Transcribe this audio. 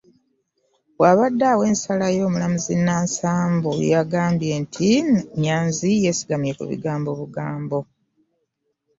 Bw'abadde awa ensala ye omulamuzi Nansambu agambye nti Nyanzi yeesigama ku bigambo obugambo